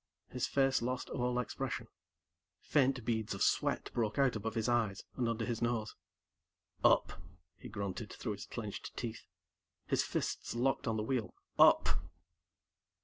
His face lost all expression. Faint beads of sweat broke out above his eyes and under his nose. "Up," he grunted through his clenched teeth. His fists locked on the wheel. "Up!"